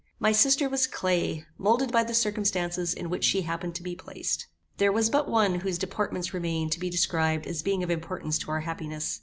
My sister was clay, moulded by the circumstances in which she happened to be placed. There was but one whose deportment remains to be described as being of importance to our happiness.